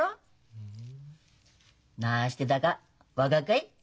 なしてだか分がっかい？